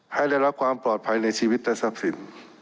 ให้ได้รับความปลอดภัยในชีวิตและทรัพย์สิน